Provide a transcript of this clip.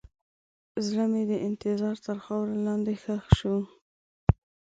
زړه مې د انتظار تر خاورو لاندې ښخ شو.